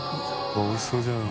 おいしそうじゃん。